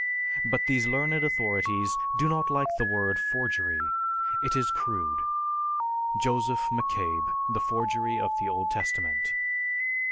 But these learned authorities do not like the word forgery. It is crude." (_Joseph McCabe, "The Forgery of The Old Testament."